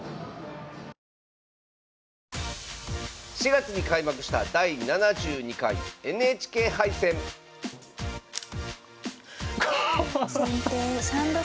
４月に開幕した第７２回ＮＨＫ杯戦先手３六金打。